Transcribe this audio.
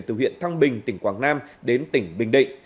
từ huyện thăng bình tỉnh quảng nam đến tỉnh bình định